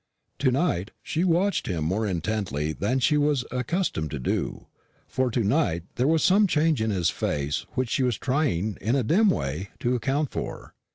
To night she watched him more intently than she was accustomed to do, for to night there was some change in his face which she was trying in a dim way to account for.